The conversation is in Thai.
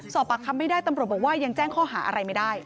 สอบปากคำไม่ได้ตำรวจบอกว่ายังแจ้งข้อหาอะไรไม่ได้